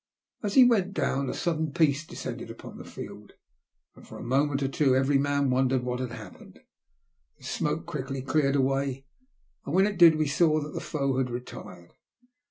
As he went down a sudden peace descended npon the field, and for a moment or two every man wondered what had happened. The smoke quicklj cleared away, and when it did we saw that the toe had retired.